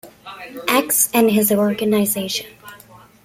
X' and his organization.